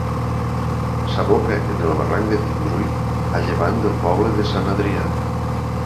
S'aboca en el barranc de Tendrui a llevant del poble de Sant Adrià.